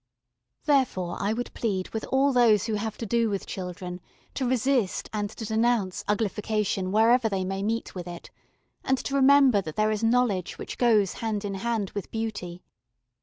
] Therefore I would plead with all those who have to do with children to resist and to denounce uglification wherever they may meet with it, and to remember that there is knowledge which goes hand in hand with beauty.